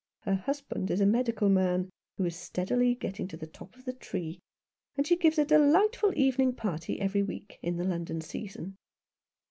Her husband is a medical man who is steadily getting to the top of the tree, and she gives a delightful evening party every week, in the London season."